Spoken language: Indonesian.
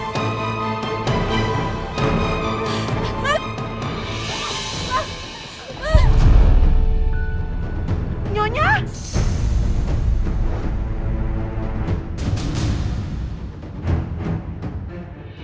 tante tolongin bapak tante